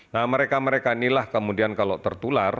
nah mereka mereka inilah kemudian kalau tertular